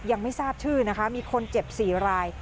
ยังไม่ทราบชื่อนะคะมีคนเจ็บ๔ราย